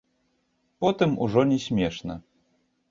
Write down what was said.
Потым ужо не смешна.